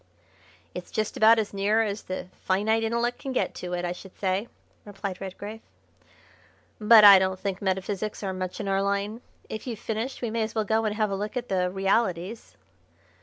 "It's just about as near as the finite intellect can get to it, I should say," replied Redgrave. "But I don't think metaphysics are much in our line. If you've finished we may as well go and have a look at the realities."